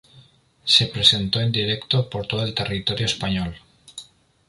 Se presentó en directo por todo el territorio español.